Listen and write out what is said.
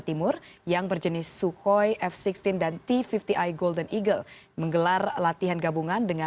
timur yang berjenis sukhoi f enam belas dan t lima puluh i golden eagle menggelar latihan gabungan dengan